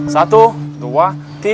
satu dua tiga